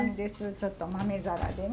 ちょっと豆皿でね。